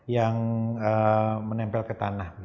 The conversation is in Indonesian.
yang menempel ke tanah